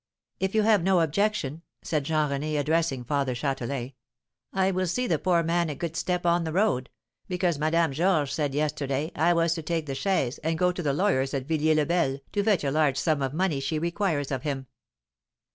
"If you have no objection," said Jean René, addressing Father Châtelain, "I will see the poor man a good step on the road; because Madame Georges said yesterday I was to take the chaise and go to the lawyer's at Villiers le Bel to fetch a large sum of money she requires of him."